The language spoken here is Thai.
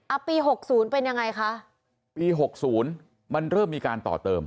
ปีหกศูนย์เป็นยังไงคะปีหกศูนย์มันเริ่มมีการต่อเติม